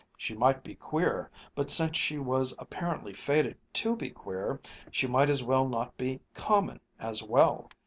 She might be queer, but since she was apparently fated to be queer, she might as well not be "common" as well.